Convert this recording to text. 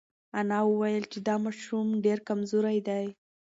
انا وویل چې دا ماشوم ډېر کمزوری دی.